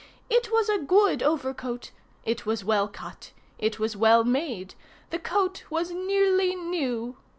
It was a good overcoat. It was well cut. It was well made. The coat was nearly new.